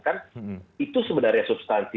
kan itu sebenarnya substansi